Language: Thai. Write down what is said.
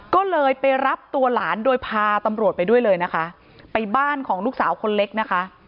ก็เลยไปรับตัวหลานโดยพาตำรวจไปด้วยเลยนะคะไปบ้านของลูกสาวคนเล็กนะคะ